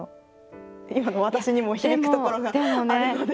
今の私にも響くところがあるので。